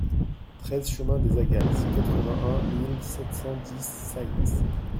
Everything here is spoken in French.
treize chemin des Agals, quatre-vingt-un mille sept cent dix Saïx